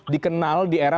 dikenal di era